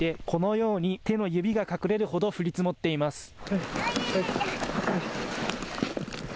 このように手の指が隠れるほど降り積もっています。